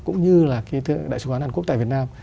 cũng như là đại sản hàn quốc tại việt nam